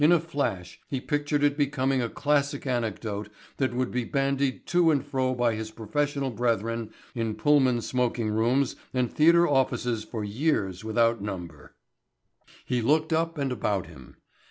In a flash he pictured it becoming a classic anecdote that would be bandied to and fro by his professional brethren in Pullman smoking rooms and theatre offices for years without number. He looked up and about him.